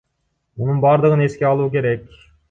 Мунун бардыгын эске алуу керек.